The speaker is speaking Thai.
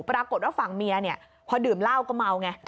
ปรากฏว่าฝั่งเมียพอดื่มล่าก็เมาไง